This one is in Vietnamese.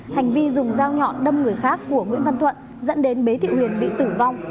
hành vi dùng dao nhọn đâm người khác của nguyễn văn thuận dẫn đến bế thị huyền bị tử vong